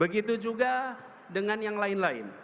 begitu juga dengan yang lain lain